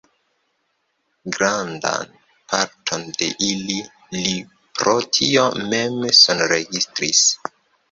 Grandan parton de ili li pro tio mem sonregistris.